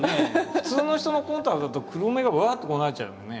普通の人のコンタクトだと黒目がわっとこうなっちゃうよね。